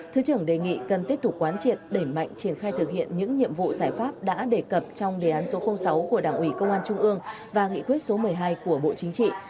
thứ trưởng đề nghị cần tiếp tục quán triệt đẩy mạnh triển khai thực hiện những nhiệm vụ giải pháp đã đề cập trong đề án số sáu của đảng ủy công an trung ương và nghị quyết số một mươi hai của bộ chính trị